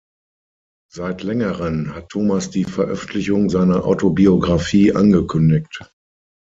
Seit längeren hat Thomas die Veröffentlichung seiner Autobiographie angekündigt.